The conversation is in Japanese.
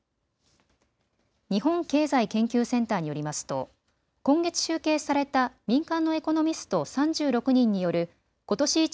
日本経済研究センターによりますと今月集計された民間のエコノミスト３６人によることし